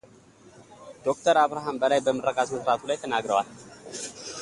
ዶክተር አብርሃም በላይ በምረቃ ሥነ ስርዓቱ ላይ ተናግረዋል፡፡